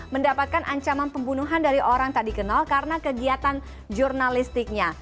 mendapatkan ancaman pembunuhan dari orang tak dikenal karena kegiatan jurnalistiknya